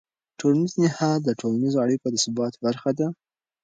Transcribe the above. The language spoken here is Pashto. ټولنیز نهاد د ټولنیزو اړیکو د ثبات برخه ده.